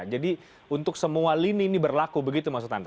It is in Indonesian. jadi untuk semua lini ini berlaku begitu maksud anda